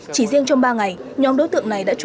chỉ riêng trong ba ngày nhóm đối tượng này đã trú